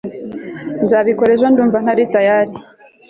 nzabikora ejo kuko ubu ndumva ntari tayali